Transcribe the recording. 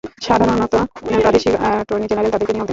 সাধারণত প্রাদেশিক attorney general তাদেরকে নিয়োগ দেন।